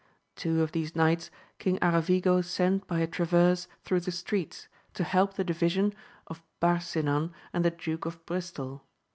Two of these knights king Aravigo sent by a traverse through the streets, to help the division of 232 AMADIS OF GAUL. Barsinan and the Duke of Bristol.